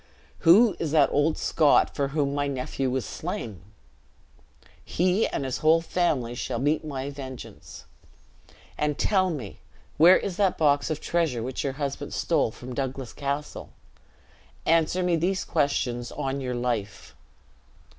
Who is that old Scot, for whom my nephew was slain? He and his whole family shall meet my vengeance! And tell me where is that box of treasure which your husband stole from Douglas Castle? Answer me these questions on your life."